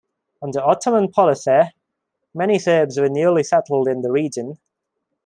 Under Ottoman policy, many Serbs were newly settled in the region.